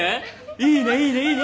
いいねいいねいいね。